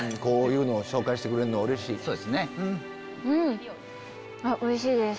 こういうのを紹介してくれるのはうれしい。